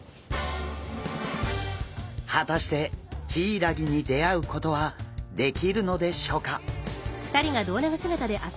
果たしてヒイラギに出会うことはできるのでしょうか？